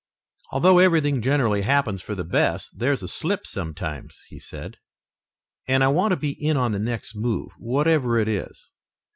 "Although everything generally happens for the best, there is a slip sometimes," he said, "and I want to be in on the next move, whatever it is.